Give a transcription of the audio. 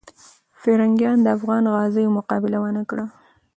پرنګیان د افغان غازیو مقابله ونه کړه.